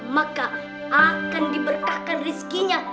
maka akan diberkahkan rizkinya